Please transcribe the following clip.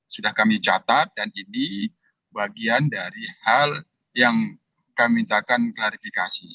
sudah kami catat dan ini bagian dari hal yang kami mintakan klarifikasi